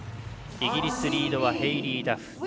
イギリスリードはヘイリー・ダフ。